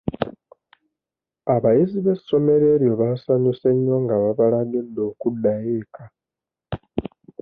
Abayizi b'essomero eryo baasanyuse nnyo nga babalagidde okuddayo eka.